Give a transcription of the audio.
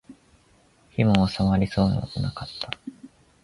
火も納まりそうもなかった